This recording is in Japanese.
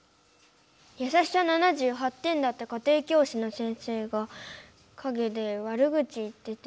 やさしさ７８点だった家庭教師の先生がかげでわる口言ってて。